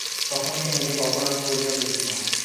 তখন সে নিজেকে অপরাধী বলিয়া বুঝিল।